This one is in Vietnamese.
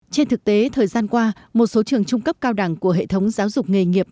trên thực tế thời gian qua một số trường trung cấp cao đẳng của hệ thống giáo dục nghề nghiệp